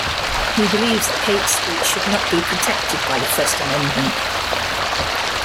He believes that hate speech should not be protected by the First Amendment.